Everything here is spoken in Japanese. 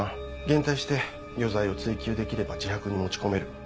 現逮して余罪を追及できれば自白に持ち込める。